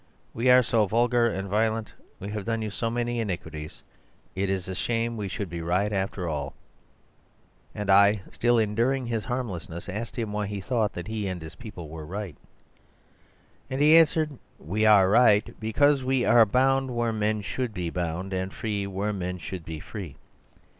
We are so vulgar and violent, we have done you so many iniquities— it is a shame we should be right after all.' "And I, still enduring his harmlessness, asked him why he thought that he and his people were right. "And he answered: 'We are right because we are bound where men should be bound, and free where men should be free.